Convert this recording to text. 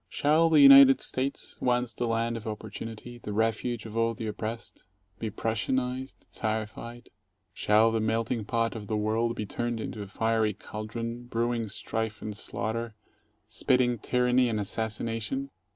Shall the United States, once the land of opportunity, the refuge of all the oppressed, be Prussianized, Czarified? Shall the melt ing pot of the world be turned into a fiery caldron brewing strife and slaughter, spitting tyranny and assassination?